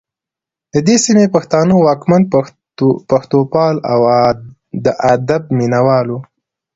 د دې سیمې پښتانه واکمن پښتوپال او د ادب مینه وال وو